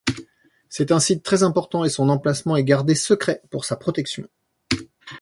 C'est un site très important et son emplacement est gardé secret pour sa protection.